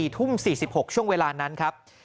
๔ทุ่ม๔๖ช่วงเวลานั้นครับ